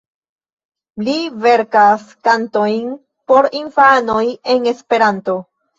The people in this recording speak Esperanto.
Li verkas kantojn por infanoj en Esperanto.